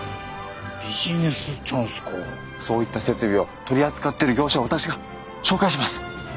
そういった設備を取り扱っている業者を私が紹介します。